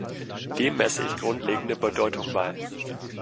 Dem messe ich grundlegende Bedeutung bei.